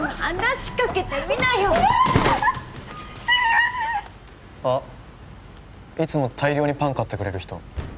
すみませんあっいつも大量にパン買ってくれる人